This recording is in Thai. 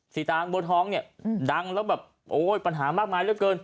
ตางบัวทองเนี่ยดังแล้วแบบโอ้ยปัญหามากมายเหลือเกิน